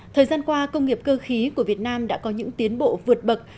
thời gian qua công nghiệp cơ khí của việt nam đã có những tiến bộ vượt bậc